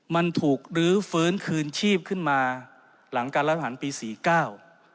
มันถูกลื้อฟื้นคืนชีพขึ้นมาหลังการรัฐผ่านปีสี่เก้า